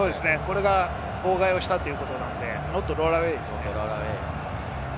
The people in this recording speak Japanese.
これが妨害をしたということなのでノットロールアウェイですね。